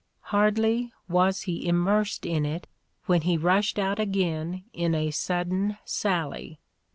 Hardly was he immersed in it when he rushed out again in a sudden sally.